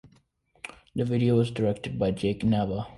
The video was directed by Jake Nava.